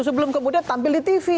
sebelum kemudian tampil di tv